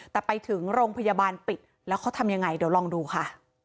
แต่ไปถึงโรงพยาบาลปิดแล้วเขาทำยังไงเดี๋ยวลองดูค่ะ